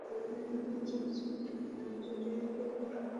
আমাদের নতুন চলচ্চিত্র মাঞ্চুরিয়ার উপর।